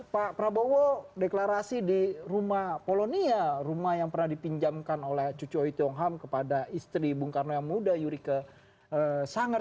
pak prabowo deklarasi di rumah polonia rumah yang pernah dipinjamkan oleh cucu oi tiongham kepada istri bung karno yang muda yurika sanger